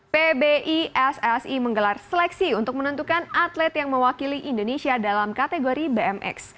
pbissi menggelar seleksi untuk menentukan atlet yang mewakili indonesia dalam kategori bmx